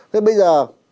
thế bây giờ